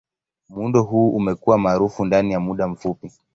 Muundo huu umekuwa maarufu ndani ya muda mfupi.